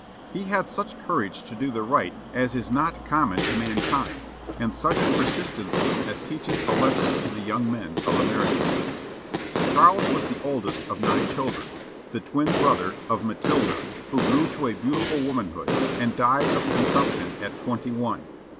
He had such courage to do the right as is not common to mankind, and such persistency as teaches a lesson to the young men of America. Charles was the oldest of nine children, the twin brother of Matilda, who grew to a beautiful womanhood, and died of consumption at twenty one.